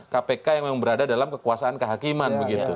kpk yang berada dalam kekuasaan kehakiman